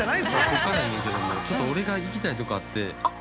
こっからやねんけどもちょっと俺が行きたいとこあって。